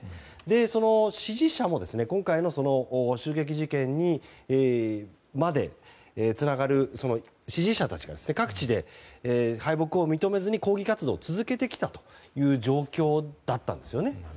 その支持者も今回の襲撃事件までつながる支持者たちが各地で敗北を認めずに抗議活動を続けてきたという状況だったんですね。